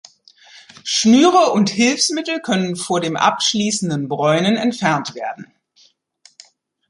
Schnüre und Hilfsmittel können vor dem abschließenden bräunen entfernt werden.